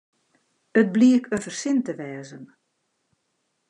It bliek in fersin te wêzen.